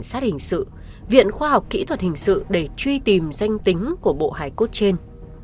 sát hình sự viện khoa học kỹ thuật hình sự để truy tìm danh tính của bộ hải cốt trên